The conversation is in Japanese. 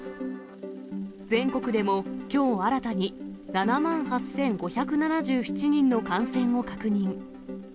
全国でもきょう新たに７万８５７７人の感染を確認。